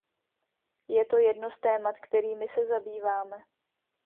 Je to jedno z témat, kterými se zabýváme.